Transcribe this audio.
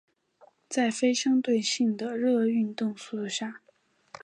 在非相对论性的热运动速度下。